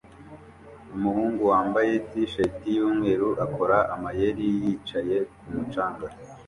Umuhungu wambaye t-shirt yumweru akora amayeri ya yicaye kumu canga